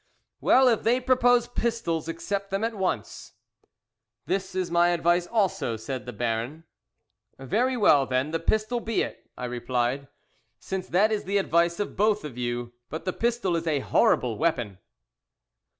"Well, if they propose pistols, accept them at once." "That is my advice, also," said the Baron. "Very well, then, the pistol be it," I replied, "since that is the advice of both of you, but the pistol is a horrible weapon."